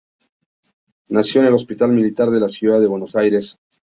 Nació en el Hospital Militar de la Ciudad de Buenos Aires.